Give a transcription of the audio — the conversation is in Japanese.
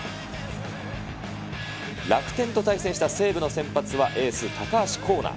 楽天と対戦した西武の先発はエース、高橋光成。